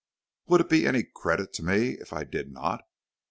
"Would it be any credit to me if I did not?